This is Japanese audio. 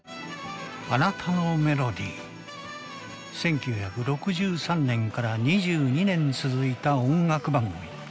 １９６３年から２２年続いた音楽番組。